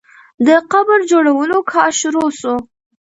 د قبر جوړولو کار شروع سو.